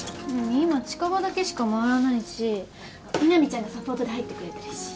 今近場だけしか回らないし南ちゃんがサポートで入ってくれてるし。